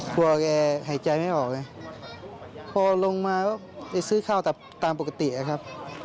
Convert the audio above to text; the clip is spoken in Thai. แกหายใจไม่ออกเลยพอลงมาก็ไปซื้อข้าวตามปกตินะครับ